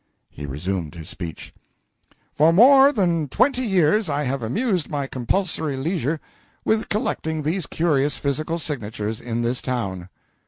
He resumed his speech: "For more than twenty years I have amused my compulsory leisure with collecting these curious physical signatures in this town.